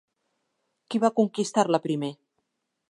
Qui va conquistar-la primer?